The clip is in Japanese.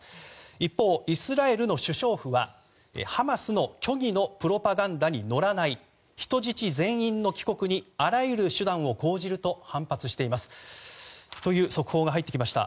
一方、イスラエルの首相府はハマスの虚偽のプロパガンダに乗らない、人質全員の帰国にあらゆる手段を講じると反発していますという速報が入ってきました。